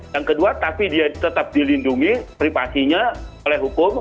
yang kedua tapi dia tetap dilindungi privasinya oleh hukum